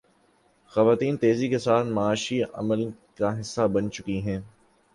خواتین تیزی کے ساتھ معاشی عمل کا حصہ بن چکی ہیں۔